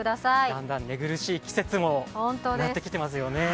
だんだん寝苦しい季節もやってきていますよね。